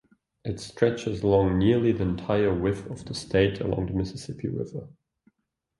It stretched along nearly the entire width of the state along the Mississippi River.